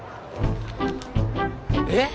えっ！？